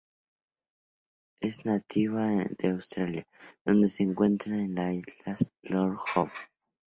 Es nativa de Australia, donde se encuentra en la isla Lord Howe.